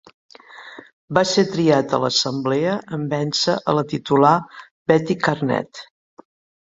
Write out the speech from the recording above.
Va ser triat a l'Assemblea en vèncer a la titular Betty Karnette.